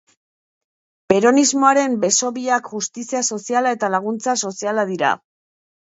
Peronismoaren beso biak justizia soziala eta laguntza soziala dira.